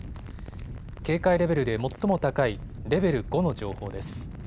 警戒レベルで最も高いレベル５の情報です。